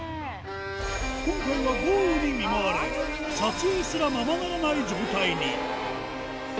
今回は豪雨に見舞われ、撮影すらままならない状態に。